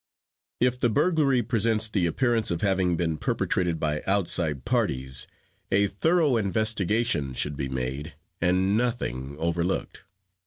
If the burglary presents the appearance of having been perpetrated by outside parties, a thorough investigation should be made and nothing overlooked.